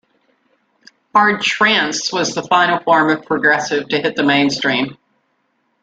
Hard trance was the final form of progressive to hit the mainstream.